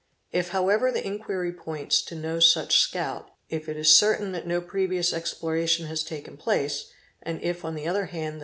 If however the enquiry points to no such scout, if it is certain that no previous exploration has taken place, and if on the other hand the